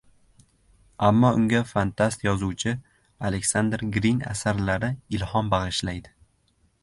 Ammo unga fantast yozuvchi Aleksandr Grin asarlari ilhom bagʻishlaydi.